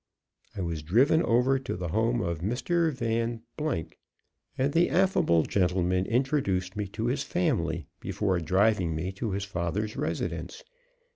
I was driven over to the home of Mr. Van , and the affable gentleman introduced me to his family, before driving me to his father's residence.